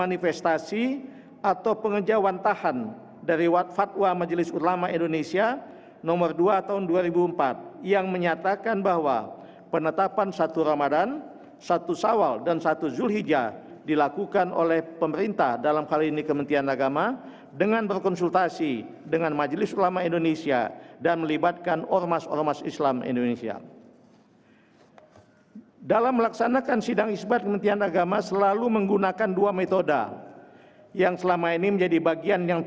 ini adalah hal yang harus dilakukan dengan sebetulnya